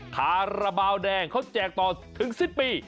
ขาระเบาแดงเขาแจกต่อถึง๑๐ปี